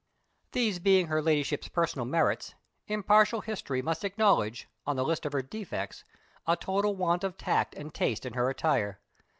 These being her Ladyship's personal merits, impartial history must acknowledge, on the list of her defects, a total want of tact and taste in her attire.